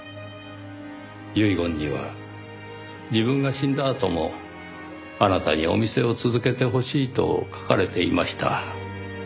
遺言には自分が死んだあともあなたにお店を続けてほしいと書かれていました。